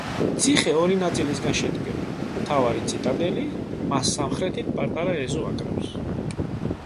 ციხე ორი ნაწილისაგან შედგება: მთავარი ციტადელი, მას სამხრეთით პატარა ეზო აკრავს.